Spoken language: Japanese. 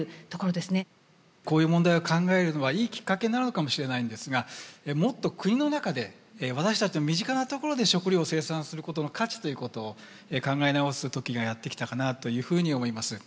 こういう問題を考えるのはいいきっかけなのかもしれないんですがもっと国の中で私たちの身近なところで食料を生産することの価値ということを考え直す時がやって来たかなというふうに思います。